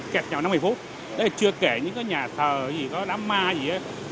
kẹt nhỏ năm một mươi phút đấy là chưa kể những nhà thờ gì có đám ma gì